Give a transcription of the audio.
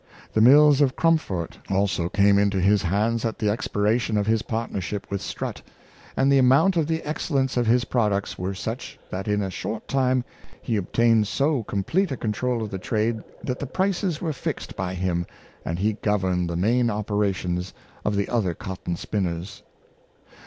The mills of Cromford also came into his hands at the expiration of his partnership with Strutt, and the amount and the excellence of his products were such, that in a short time he obtained so complete a control of the trade that the prices were fixed by him, and he governed the main operations of the other cotton spinners.